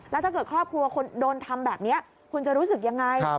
แล้วถ้าเกิดครอบครัวคุณโดนทำแบบนี้คุณจะรู้สึกยังไง